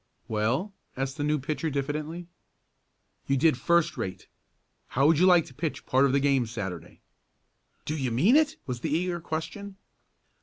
"Well?" asked the new pitcher diffidently. "You did first rate. How would you like to pitch part of the game Saturday?" "Do you mean it?" was the eager question.